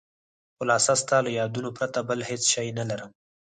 خلاصه ستا له یادونو پرته بل هېڅ شی نه لرم.